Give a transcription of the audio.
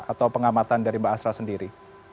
atau pengamatan dari mbak asra sendiri